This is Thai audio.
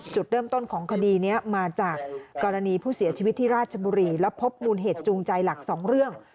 จุดเริ่มต้นของคดีนี้มาจากกรณีผู้เสียชีวิตที่ราชบุรีแล้วพบมูลเหตุจูงใจหลักสองเรื่อง